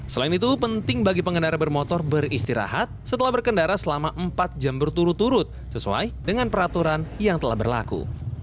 selain itu penting bagi pengendara bermotor beristirahat setelah berkendara selama empat jam berturut turut sesuai dengan peraturan yang telah berlaku